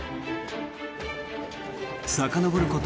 さかのぼること